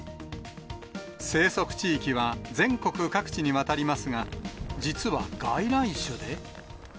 生息地域は、全国各地にわたりますが、実は外来種で。